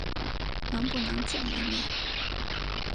能不能再见一面？